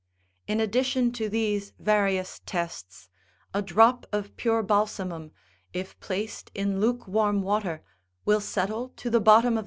In addition to these various tests, a drop of pure balsamum, if placed in luke warm water will settle to the bottom of the 78* See 13.